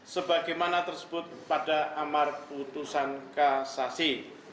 sebagaimana tersebut pada amar putusan kasasi